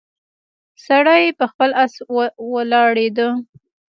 سړی په خپل اس ویاړیده.